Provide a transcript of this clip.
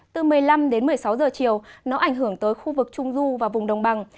từ một mươi năm đến một mươi sáu giờ chiều nó ảnh hưởng tới khu vực trung du và vùng đồng bằng